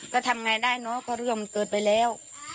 ก็ทำไงได้เนอะก็เรื่องมันเกิดไปแล้ว